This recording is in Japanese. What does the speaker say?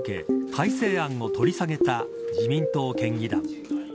改正案を取り下げた自民党県議団。